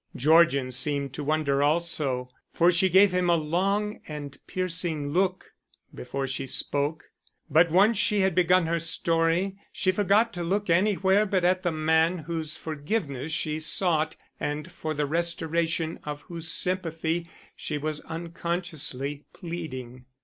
Georgian seemed to wonder also, for she gave him a long and piercing look before she spoke. But once she had begun her story, she forgot to look anywhere but at the man whose forgiveness she sought and for the restoration of whose sympathy she was unconsciously pleading.